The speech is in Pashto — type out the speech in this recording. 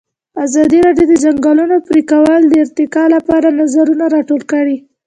ازادي راډیو د د ځنګلونو پرېکول د ارتقا لپاره نظرونه راټول کړي.